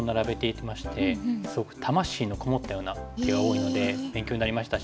すごく魂のこもったような手が多いので勉強になりましたし。